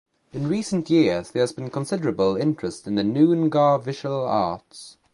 In recent years there has been considerable interest in Noongar visual arts.